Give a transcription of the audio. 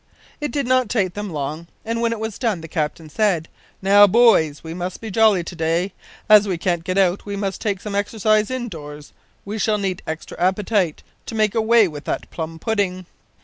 It did not take them long, and when it was done the captain said, "Now, boys, we must be jolly to day. As we can't get out we must take some exercise indoors. We shall need extra appetite to make away with that plum pudding."